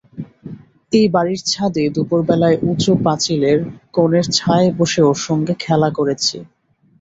এই বাড়ির ছাদে দুপুরবেলায় উঁচু পাঁচিলের কোণের ছায়ায় বসে ওঁর সঙ্গে খেলা করেছি।